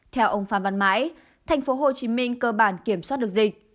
theo ông pham văn mãi thành phố hồ chí minh cơ bản kiểm soát được dịch